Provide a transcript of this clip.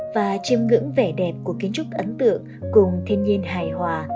và chiêm ngưỡng vẻ đẹp của kiến trúc ấn tượng cùng thiên nhiên hài hòa